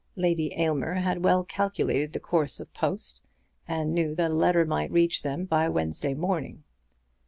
Lady Aylmer had well calculated the course of post, and knew that a letter might reach them by Wednesday morning.